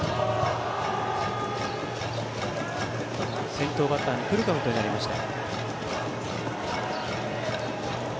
先頭バッターフルカウントとなりました。